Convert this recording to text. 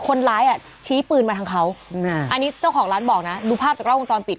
คนร้ายอ่ะชี้ปืนมาทางเขาอันนี้เจ้าของร้านบอกนะดูภาพจากกล้องวงจรปิด